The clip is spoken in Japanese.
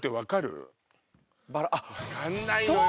分かんないのよ